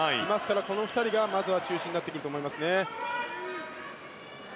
この２人がまずは中心になってくると思いますね。